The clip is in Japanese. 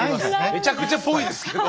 めちゃくちゃぽいですけど。